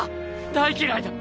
大嫌いだ！